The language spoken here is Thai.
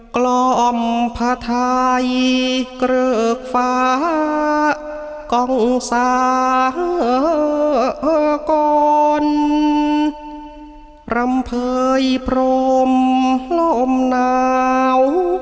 กลอมพระทายเกลือกฝากองศากรรมเผยพรมลมหนาว